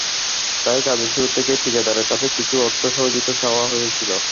তাই কাজের শুরু থেকে ঠিকাদারের কাছে কিছু অর্থ সহযোগিতা চাওয়া হয়েছিল।